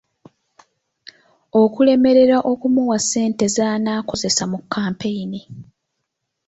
Okulemererwa okumuwa ssente zanaakozesa mu kkampeyini.